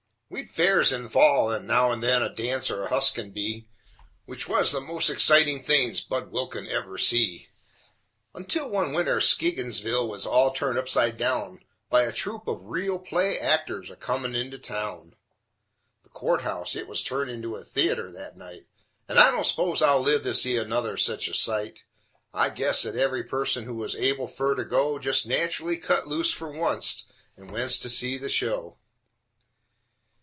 We'd fairs in fall and now and then a dance or huskin' bee, Which was the most excitin' things Budd Wilkins ever see, Until, one winter, Skigginsville was all turned upside down By a troupe of real play actors a comin' into town. The court house it was turned into a theater, that night, And I don't s'pose I'll live to see another sich a sight: I guess that every person who was able fer to go Jest natchelly cut loose fer oncet, and went to see the show.